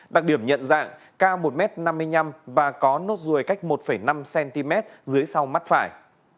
đặc điểm nhận dạng cao một m năm mươi năm và có nốt ruồi cách một năm cm dưới sau mắt phải